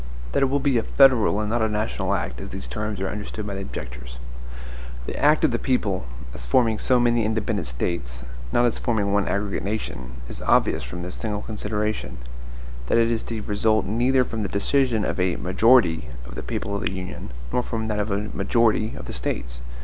That it will be a federal and not a national act, as these terms are understood by the objectors; the act of the people, as forming so many independent States, not as forming one aggregate nation, is obvious from this single consideration, that it is to result neither from the decision of a MAJORITY of the people of the Union, nor from that of a MAJORITY of the States.